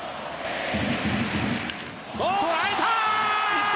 捉えた！